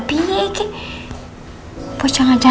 kayaknya kita memang